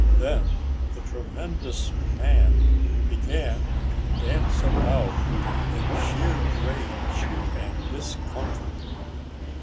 Then the tremendous man began to dance about in sheer rage and discomfort.